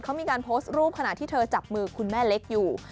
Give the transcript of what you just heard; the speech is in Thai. เขามีการโพสต์รูปขณะที่เธอจับมือคุณแม่เล็กอยู่